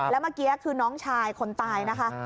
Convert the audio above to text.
แล้วเมื่อกี้คือน้องชายคนตายนะคะ